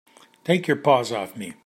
Take your paws off me!